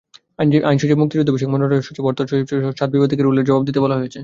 আইনসচিব, মুক্তিযুদ্ধবিষয়ক মন্ত্রণালয়ের সচিব, অর্থসচিবসহ সাত বিবাদীকে রুলের জবাব দিতে বলা হয়েছে।